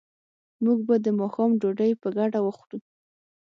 موږ به د ماښام ډوډۍ په ګډه وخورو